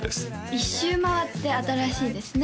一周回って新しいですね